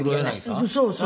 そうそうそう。